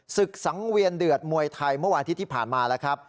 ศึกสังเวียนเดือดมวยไทยเมื่อวานที่ที่ผ่านมาละครับ